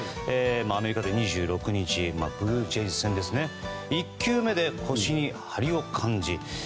アメリカで２６日ブルージェイズ戦で１球目で腰に張りを感じ